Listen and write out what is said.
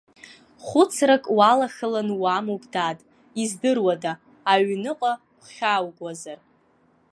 Хәыцрак уалахалан уамоуп, дад, издыруада аҩныҟа гәхьааугазар?